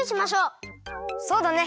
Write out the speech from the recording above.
そうだね！